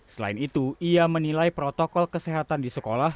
selain itu ia menilai protokol kesehatan di sekolah